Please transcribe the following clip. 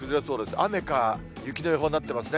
雨か雪の予報になってますね。